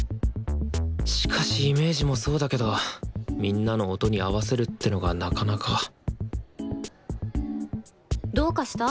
しかしイメージもそうだけどみんなの音に合わせるってのがなかなかどうかした？